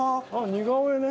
似顔絵ね。